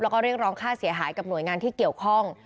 แล้วก็เรียกร้องค่าเสียหายกับหน่วยงานที่เกี่ยวข้อง